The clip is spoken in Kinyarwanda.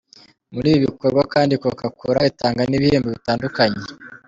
Muri ibi bikorwa kandi Coca-Cola itanga n'ibihembo bitandukanye.